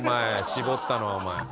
絞ったのはお前。